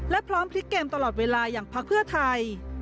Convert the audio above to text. และพร้อมพลิกเกมตลอดเวลาอย่างพักเพื่อไทย